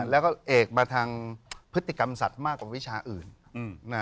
แล้วก็เอกมาทางพฤติกรรมสัตว์มากกว่าวิชาอื่น